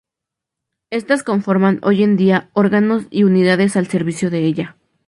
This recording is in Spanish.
Estas conforman hoy en día órganos y unidades al servicio de ella.